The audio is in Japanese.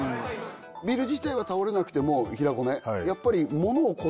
ビル自体は倒れなくても平子ね